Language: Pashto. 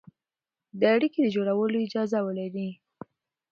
د اړيکې د جوړولو اجازه ولري،